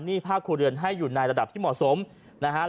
นี่ภาคฮูเรือนให้อยู่ในระดับตรงนี้เหมาะสม